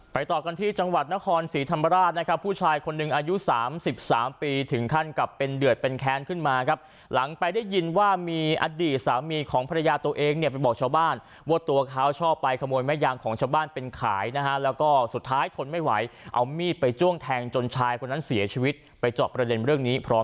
ต่อกันที่จังหวัดนครศรีธรรมราชนะครับผู้ชายคนหนึ่งอายุสามสิบสามปีถึงขั้นกลับเป็นเดือดเป็นแค้นขึ้นมาครับหลังไปได้ยินว่ามีอดีตสามีของภรรยาตัวเองเนี่ยไปบอกชาวบ้านว่าตัวเขาชอบไปขโมยแม่ยางของชาวบ้านเป็นขายนะฮะแล้วก็สุดท้ายทนไม่ไหวเอามีดไปจ้วงแทงจนชายคนนั้นเสียชีวิตไปเจาะประเด็นเรื่องนี้พร้อม